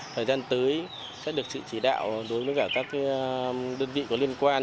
thời gian tới sẽ được sự chỉ đạo đối với cả các đơn vị có liên quan